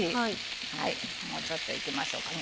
はいもうちょっといきましょうかね。